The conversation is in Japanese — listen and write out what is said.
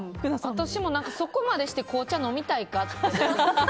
私もそこまでして紅茶飲みたいかって。